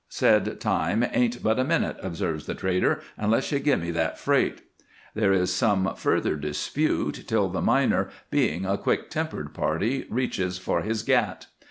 "'Said time ain't but a minute,' observes the trader, 'unless you gimme that freight.' "There is some further dispute till the miner, being a quick tempered party, reaches for his Gat.